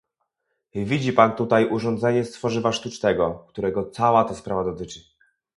Widzi Pan tutaj urządzenie z tworzywa sztucznego, którego cała ta sprawa dotyczy